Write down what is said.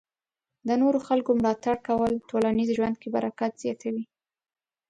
د نورو خلکو ملاتړ کول ټولنیز ژوند کې برکت زیاتوي.